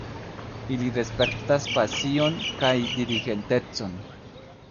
Ili respektas pasion kaj diligentecon